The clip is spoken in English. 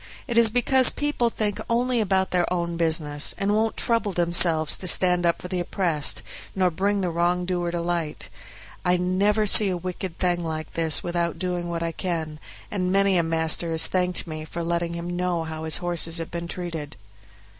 It is because people think only about their own business, and won't trouble themselves to stand up for the oppressed, nor bring the wrongdoer to light. I never see a wicked thing like this without doing what I can, and many a master has thanked me for letting him know how his horses have been used."